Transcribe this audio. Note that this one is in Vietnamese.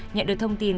nhận được thông tin